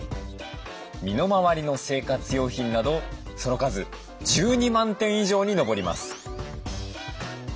身の回りの生活用品などその数１２万点以上に上ります。